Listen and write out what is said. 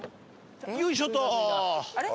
よいしょっと。